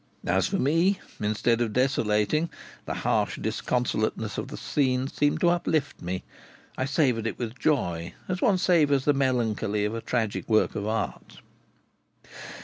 As for me, instead of desolating, the harsh disconsolateness of the scene seemed to uplift me; I savoured it with joy, as one savours the melancholy of a tragic work of art.